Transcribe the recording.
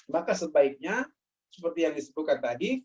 maka sebaiknya seperti yang disebutkan tadi